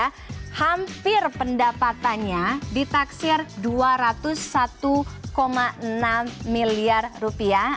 pihak pendapatannya ditaksir dua ratus satu enam miliar rupiah